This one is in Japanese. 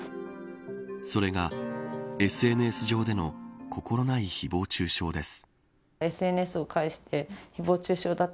それがＳＮＳ上での心無い誹謗中傷です。